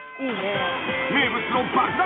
［名物の爆弾